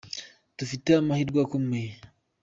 Dufite amahirwe akomeye.